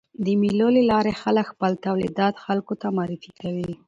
د مېلو له لاري خلک خپل تولیدات خلکو ته معرفي کوي.